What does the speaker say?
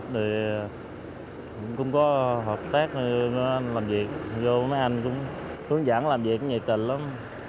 covid một mươi chín cũng có hợp tác làm việc vô mấy anh cũng hướng dẫn làm việc nhiệt tình lắm